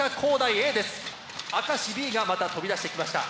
明石Ｂがまた飛び出してきました。